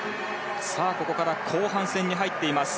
ここから後半戦に入っています。